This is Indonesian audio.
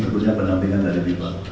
tentunya penampilan dari bipa